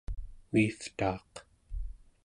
uivtaaq